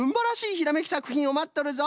ひらめきさくひんをまっとるぞ。